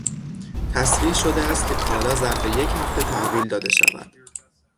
تصریح شده است که کالا ظرف یک هفته تحویل داده شود.